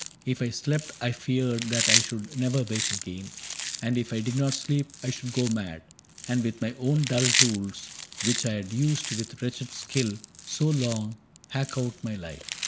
If I slept, I feared that I should never wake again ; And if I did not sleep I should go mad, And with my own dull tools, which I had used With wretched skill so long, hack out my life.